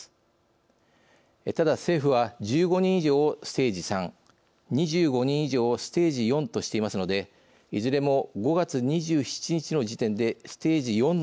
ただ政府は１５人以上をステージ３２５人以上をステージ４としていますのでいずれも５月２７日の時点でステージ４の中にあります。